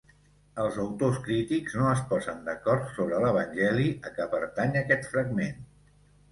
Els autors crítics no es posen d'acord sobre l'evangeli a què pertany aquest fragment.